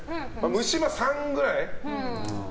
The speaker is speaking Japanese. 虫歯３ぐらい。